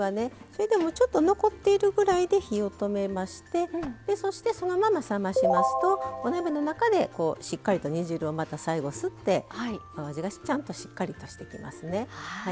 それでもちょっと残っているぐらいで火を止めましてそしてそのまま冷ましますとお鍋の中でしっかりと煮汁をまた最後吸ってお味がちゃんとしっかりとしてきますね。